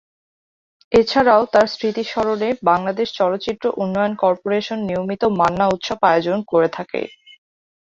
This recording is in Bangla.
এছাড়াও তার স্মৃতি স্মরণে বাংলাদেশ চলচ্চিত্র উন্নয়ন কর্পোরেশন নিয়মিত মান্না উৎসব আয়োজন করে থাকে।